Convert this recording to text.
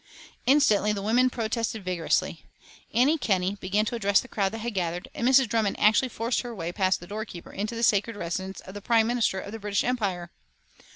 Instantly the women protested vigorously. Annie Kenney began to address the crowd that had gathered, and Mrs. Drummond actually forced her way past the doorkeeper into the sacred residence of the Prime Minister of the British Empire!